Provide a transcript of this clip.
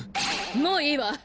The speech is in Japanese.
もういいわ！